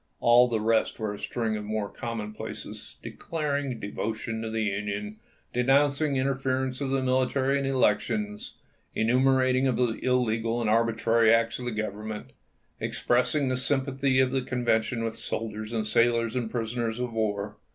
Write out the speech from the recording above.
All the rest was a string of mere commonplaces declaring devotion to the Union, denouncing interference of the military in elections, enumerating the illegal and arbitrary acts of the Government, expressing the sympathy of the Convention with soldiers and sailors and prisoners of war.